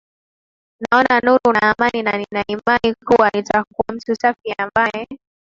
naona nuru na amani na nina imani kuwa nitakuwa mtu safi ambaye